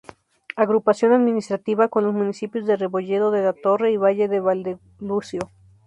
Agrupación administrativa con los municipios de Rebolledo de la Torre y Valle de Valdelucio.